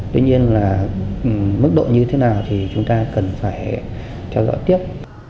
tuy nhiên mức độ như thế nào thì chúng ta cần phải trao dọn tiếp